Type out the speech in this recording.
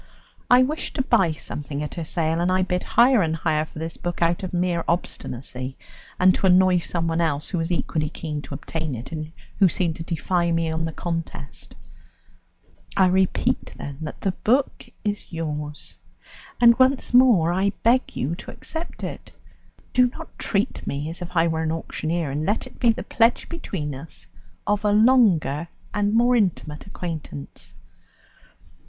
I wished to buy something at her sale, and I bid higher and higher for this book out of mere obstinacy and to annoy someone else, who was equally keen to obtain it, and who seemed to defy me to the contest. I repeat, then, that the book is yours, and once more I beg you to accept it; do not treat me as if I were an auctioneer, and let it be the pledge between us of a longer and more intimate acquaintance."